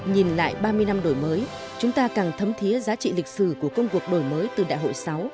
nhìn lại ba mươi năm đổi mới chúng ta càng thấm thiế giá trị lịch sử của công cuộc đổi mới từ đại hội sáu